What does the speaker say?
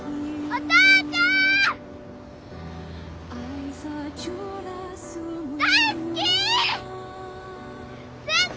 お父ちゃん！